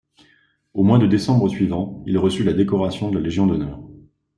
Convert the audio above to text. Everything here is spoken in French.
Au mois de décembre suivant il reçut la décoration de la Légion d'honneur.